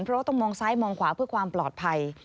เพราะว่าต้องมองซ้ายมองขวาเพื่อความปลอดภัย